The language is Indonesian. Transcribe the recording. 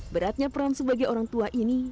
beratnya peran sebagai orang tua ini